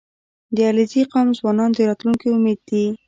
• د علیزي قوم ځوانان د راتلونکي امید دي.